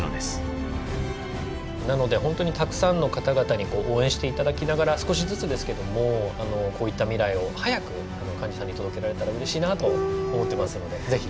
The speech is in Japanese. なので本当にたくさんの方々に応援して頂きながら少しずつですけどもこういった未来を早く患者さんに届けられたらうれしいなと思ってますのでぜひ。